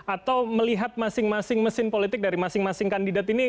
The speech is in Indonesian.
atau melihat masing masing mesin politik dari masing masing kandidat ini